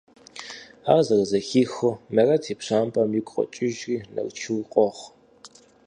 Ар зэрызэхихыу, Мерэт и пщампӀэр игу къокӀыжри Нарчур къогъ.